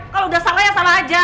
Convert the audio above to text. kalau udah salah ya salah aja